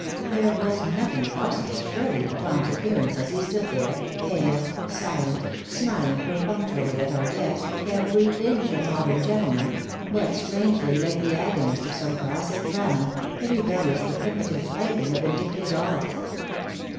There was nothing farcical, surely, in Tom's appearance as he stood there, pale, silent, smiling perfunctorily at our guest, every inch a modern gentleman, but strangely like the tagonist of some classic drama, the rebellious but impotent plaything of vindictive gods.